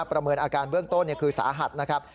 ประเมินอาการเบื้องต้นคือสาหัสนะครับ